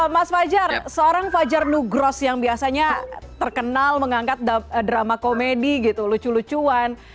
mas fajar seorang fajar nugros yang biasanya terkenal mengangkat drama komedi gitu lucu lucuan